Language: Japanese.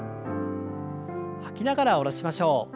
吐きながら下ろしましょう。